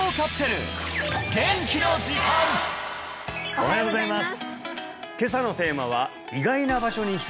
おはようございます